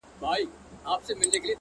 سیاه پوسي ده!! افغانستان دی!!